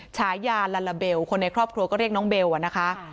ฉายาลาลาเบลคนในครอบครัวก็เรียกน้องเบลอะนะคะ